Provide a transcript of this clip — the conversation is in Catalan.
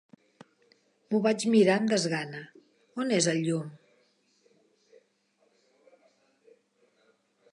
M'ho vaig mirar amb desgana. On és el llum?